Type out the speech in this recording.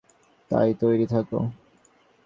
তাই তৈরি থাকো।